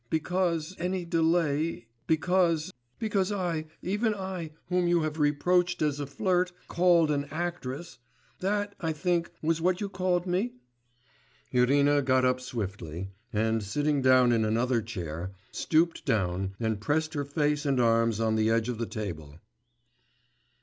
because any delay ... because ... because I, even I whom you have reproached as a flirt, called an actress ... that, I think, was what you called me?...' Irina got up swiftly, and, sitting down in another chair, stooped down and pressed her face and arms on the edge of the table.